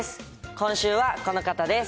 今週はこの方です。